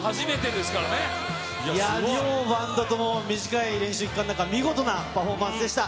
両バンドとも、短い練習期間の中、見事なパフォーマンスでした。